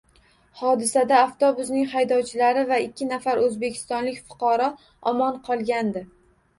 Hodisada avtobusning haydovchilari va ikki nafar oʻzbekistonlik fuqaro omon qolgandi.